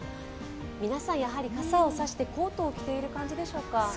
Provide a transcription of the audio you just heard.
皆さん、やはり傘を差してコートを着ている感じでしょうか。